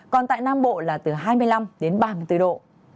còn tại nam bộ là từ hai mươi năm đến ba mươi bốn độ